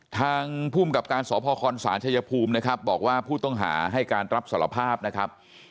ทางภูมิกับการสพคศชายภูมินะครับบอกว่าผู้ต้องหาให้การรับสารภาพนะครับ